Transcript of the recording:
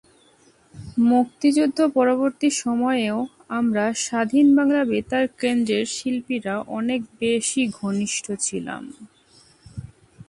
মুক্তিযুদ্ধ-পরবর্তী সময়েও আমরা স্বাধীন বাংলা বেতার কেন্দ্রের শিল্পীরা অনেক বেশি ঘনিষ্ঠ ছিলাম।